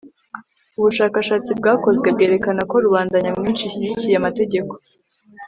ubushakashatsi bwakozwe bwerekana ko rubanda nyamwinshi ishyigikiye amategeko